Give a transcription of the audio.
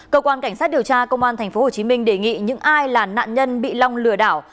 cơ quan cảnh sát điều tra công an thành phố hồ chí minh đề nghị những ai là nạn nhân bị long lừa đảo